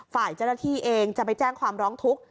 ฝ่ายเจ้าหน้าที่เองจะไปแจ้งความร้องทุกข์